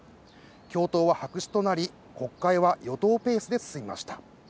共闘は白紙となり、国会は与党ペースで進みました。